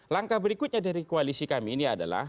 langkah berikutnya dari koalisi kami ini adalah